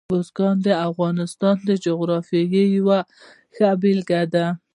بزګان د افغانستان د جغرافیې یوه ښه بېلګه ده.